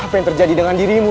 apa yang terjadi dengan dirimu